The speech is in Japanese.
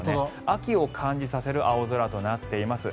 秋を感じさせる青空となっています。